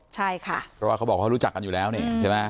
ใช่ค่ะเพราะว่าเขาบอกเขารู้จักกันอยู่แล้วนี่ใช่ไหม